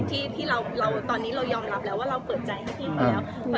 ที่ตอนนี้เรายอมรับแล้วว่าเราเปิดใจให้พี่ไปแล้ว